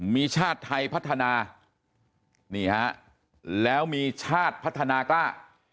มีชาติไทยพัฒนานี่ฮะแล้วมีชาติพัฒนากล้า